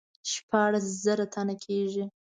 شپاړس زره تنه کیږي.